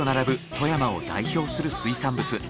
富山を代表する水産物。